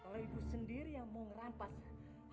kalau ibu sendiri yang mau merampat